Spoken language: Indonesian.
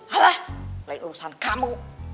alah lain urusan kamu